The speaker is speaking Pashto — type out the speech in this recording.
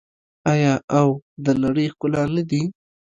آیا او د نړۍ ښکلا نه دي؟